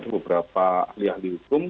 beberapa ahli ahli hukum